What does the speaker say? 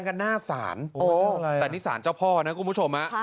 กันหน้าศาลโอ๊ยเนี้ยแต่นี่ศาลเจ้าพ่อนะเองนะคุณผู้ชมอ่ะ